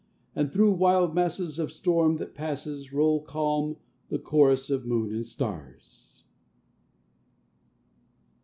And through wild masses of storm, that passes, Roll calm the chorus of moon and stars.